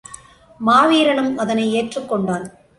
மாவீரனும் அதனை ஏற்றுக்கொண்டான்.